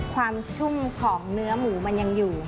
ความชุ่มของเนื้อหมูมันยังอยู่